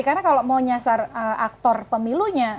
karena kalau mau nyasar aktor pemilunya